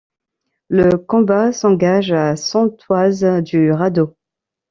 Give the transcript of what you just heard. Le combat s’engage à cent toises du radeau.